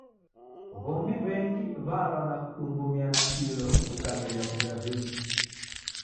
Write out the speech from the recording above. W'omi w'engi w'alwa na kudungumia na dilo w'ikameria kuja vindo.